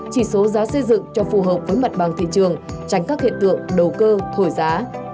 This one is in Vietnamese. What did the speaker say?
chỉ số giá xây dựng cho phù hợp với mặt bằng thị trường tránh các hiện tượng đầu cơ thổi giá